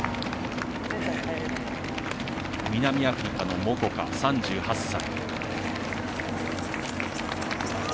南アフリカのモコカ、３８歳。